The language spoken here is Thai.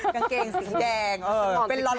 กางเกงสีแดงเป็นรอนเลย